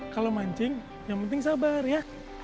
kalau mancing yang penting sabar ya